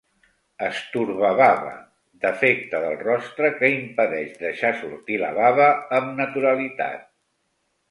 Estorbabava: defecte del rostre que impedeix deixar sortir la bava amb naturalitat.